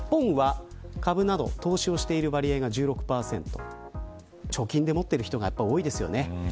日本は、株など投資をしている割合が１６％貯金で持っている人が多いですね。